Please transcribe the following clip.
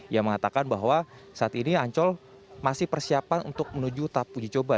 yang mengatakan bahwa saat ini ancol masih persiapan untuk menuju tahap uji coba